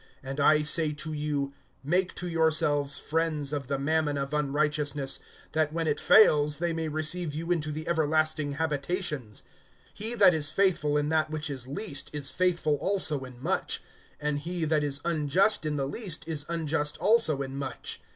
(9)And I say to you: Make to yourselves friends of the mammon of unrighteousness; that, when it fails, they may receive you into the everlasting habitations. (10)He that is faithful in that which is least is faithful also in much; and he that is unjust in the least is unjust also in much.